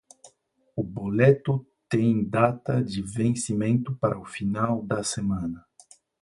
O boleto tem data de vencimento para o final da semana